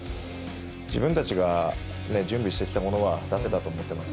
自分たちがね、準備してきたものは出せたと思ってます。